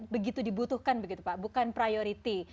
begitu dibutuhkan begitu pak bukan priority